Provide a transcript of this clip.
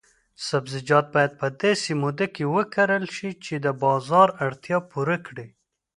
سبزیجات باید په داسې موده کې وکرل شي چې د بازار اړتیا پوره کړي.